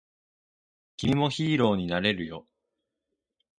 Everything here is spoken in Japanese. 君もヒーローになれるよ